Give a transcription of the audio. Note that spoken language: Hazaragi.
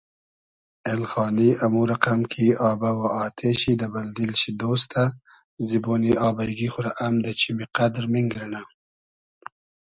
اېلخانی امو رئقئم کی آبۂ و آتې شی دۂ بئل دیل شی دۉستۂ زیبۉنی آبݷ گی خو رۂ ام دۂ چیمی قئدر مینگیرنۂ